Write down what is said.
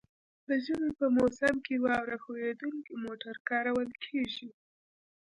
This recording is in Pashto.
د ژمي په موسم کې واوره ښوییدونکي موټر کارول کیږي